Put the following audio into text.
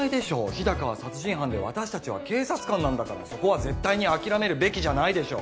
日高は殺人犯で私達は警察官なんだからそこは絶対に諦めるべきじゃないでしょ